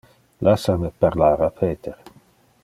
Lassa me parlar a Peter.